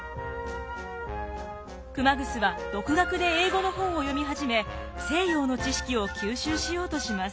熊楠は独学で英語の本を読み始め西洋の知識を吸収しようとします。